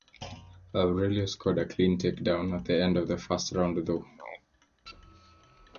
Aurelio scored a clean takedown at the end of the first round, though.